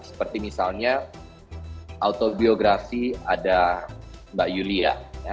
seperti misalnya autobiografi ada mbak yulia